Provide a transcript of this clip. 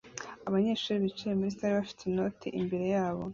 Abanyeshuri bicaye muri salle bafite inoti imbere yabo